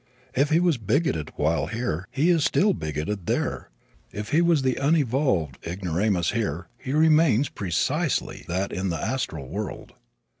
If he was bigoted while here he is still bigoted there. If he was the unevolved ignoramus here he remains precisely that in the astral world.